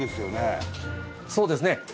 そうですね。